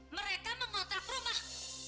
mereka mengotak rumah